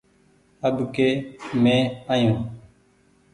اٻڪي مين آيو ۔